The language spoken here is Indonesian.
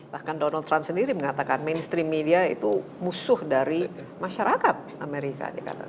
bahkan donald trump sendiri mengatakan mainstream media itu musuh dari masyarakat amerika